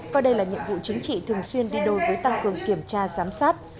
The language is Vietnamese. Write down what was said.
coi đây là nhiệm vụ chính trị thường xuyên đi đôi với tăng cường kiểm tra giám sát